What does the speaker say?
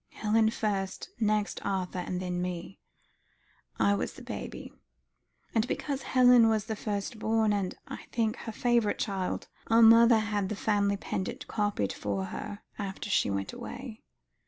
Helen first, next Arthur, and then me. I was the baby. And because Helen was her firstborn and, I think, her favourite child, our mother had the family pendant copied for her after she went away.